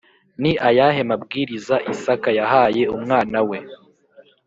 Ni ayahe mabwiriza isaka yahaye umwana we